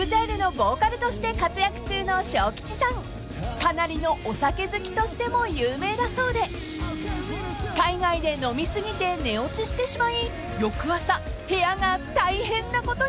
［かなりのお酒好きとしても有名だそうで海外で飲み過ぎて寝落ちしてしまい翌朝部屋が大変なことになっちゃったそうで］